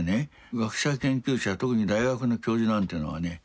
学者研究者特に大学の教授なんていうのはね